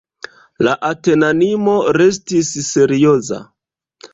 La atenanino restis serioza.